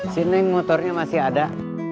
sini motornya masih ada